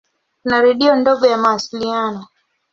Kuna redio ndogo ya mawasiliano.